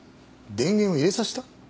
電源を入れさせた？